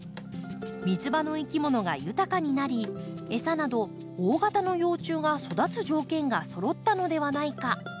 水場のいきものが豊かになりエサなど大型の幼虫が育つ条件がそろったのではないかとのことです。